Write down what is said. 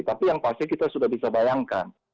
tapi yang pasti kita sudah bisa bayangkan